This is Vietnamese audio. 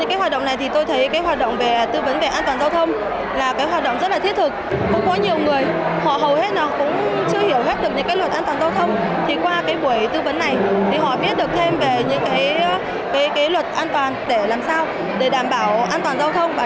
làm sao để đảm bảo an toàn giao thông và đảm bảo sức khỏe cho các nhà lao động